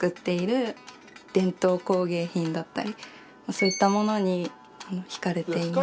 そういったものに惹かれています。